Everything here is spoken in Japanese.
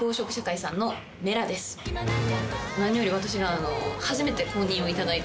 何より私の。